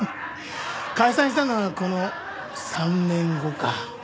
解散したのはこの３年後か。